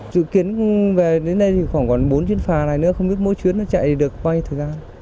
dự kiến về đến đây thì khoảng còn bốn chuyến phà này nữa không biết mỗi chuyến nó chạy được quay thời gian